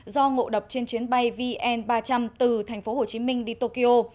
do ngộ độc trên chuyến bay vn ba trăm linh từ thành phố hồ chí minh đi tokyo